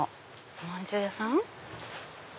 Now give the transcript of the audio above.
おまんじゅう屋さん。